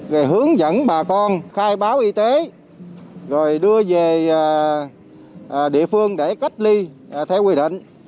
rồi hướng dẫn bà con khai báo y tế rồi đưa về địa phương để cách ly theo quy định